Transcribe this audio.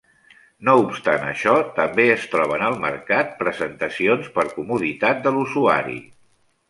No obstant això també es troben al mercat presentacions per comoditat de l'usuari.